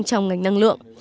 trong ngành năng lượng